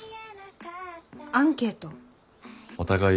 アンケートです。